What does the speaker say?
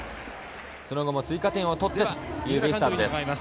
その後も追加点を取ってというベイスターズです。